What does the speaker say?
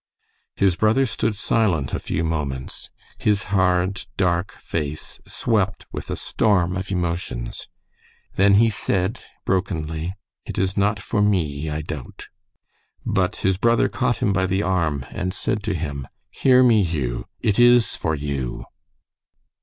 His brother stood silent a few moments, his hard, dark face swept with a storm of emotions. Then he said, brokenly: "It is not for me, I doubt." But his brother caught him by the arm and said to him, "Hear me, Hugh. It is for you."